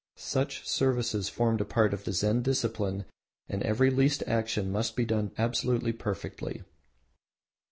Such services formed a part of the Zen discipline and every least action must be done absolutely perfectly.